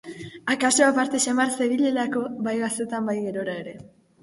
Akaso aparte samar zebilelako, bai gaztetan bai gerora ere.